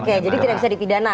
oke jadi tidak bisa dipidana